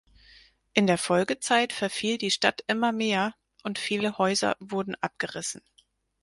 In der Folgezeit verfiel die Stadt immer mehr, und viele Häuser wurden abgerissen.